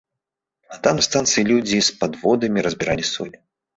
А там на станцыі людзі з падводамі разбіралі соль.